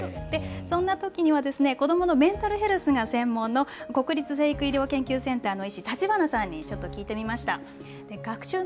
そんなときには、子どものメンタルヘルスが専門の国立成育医療研究センターの医師、立花さんにちょっと聞いてみました。